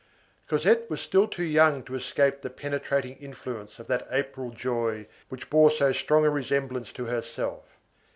Cosette was still too young to escape the penetrating influence of that April joy which bore so strong a resemblance to herself.